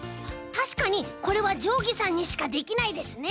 たしかにこれはじょうぎさんにしかできないですね。